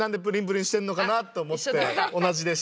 同じでした。